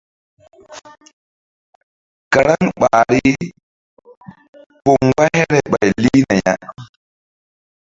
Karaŋ ɓahri poŋ mgba here ɓay lihna ya.